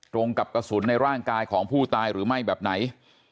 ตรงกับกระสุนในร่างกายของผู้ตายหรือไม่แบบไหน